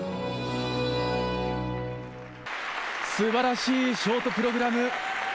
素晴らしいショートプログラム。